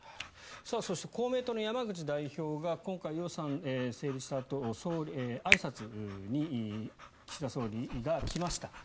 そして、公明党の山口代表が今回、予算成立したあとあいさつに岸田総理が来ました。